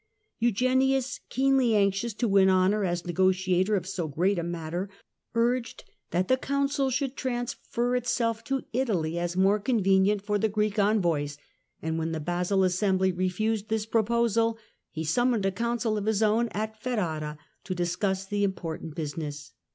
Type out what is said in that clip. Eugenius, keenly anxious to win honour as negotiator of so great a matter, urged that the Council should transfer itself to Italy as more convenient for the Greek envoys, and when the Basle Assembly refused this proposal, he summoned a Council of his own at Ferrara council of to conduct the important business.